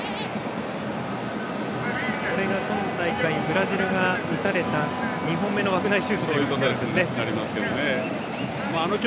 これが今大会ブラジルが打たれた２本目の枠内シュート。